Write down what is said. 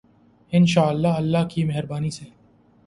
انشاء اللہ، اللہ کی مہربانی سے۔